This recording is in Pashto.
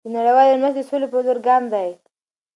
دเงินบาทไทย نړیوال مرسته د سولې په لور ګام دی.